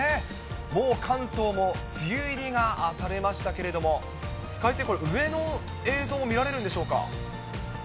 もう関東も梅雨入りがされましたけれども、スカイツリー、これ、上の映像見られるんでしょうか。